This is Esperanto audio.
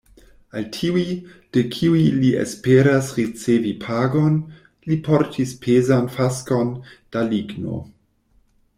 Al tiuj, de kiuj li esperas ricevi pagon, li portis pezan faskon da ligno.